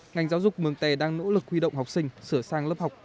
ngành giáo dục mường tè đang nỗ lực huy động học sinh sửa sang lớp học